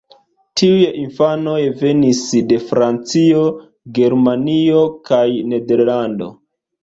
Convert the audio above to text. Tiuj infanoj venis de Francio, Germanio kaj Nederlando.